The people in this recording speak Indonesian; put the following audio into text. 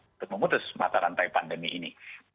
untuk memutus mata rantai pandemi ini